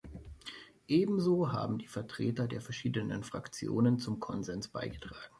Ebenso haben die Vertreter der verschiedenen Fraktionen zum Konsens beigetragen.